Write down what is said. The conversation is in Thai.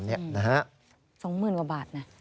๒๐๐๐๐กว่าบาทนะครับ